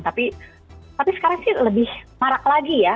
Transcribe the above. tapi sekarang sih lebih marak lagi ya